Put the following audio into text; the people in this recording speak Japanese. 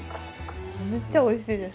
めっちゃおいしいです。